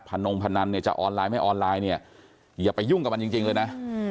นงพนันเนี่ยจะออนไลน์ไม่ออนไลน์เนี่ยอย่าไปยุ่งกับมันจริงเลยนะ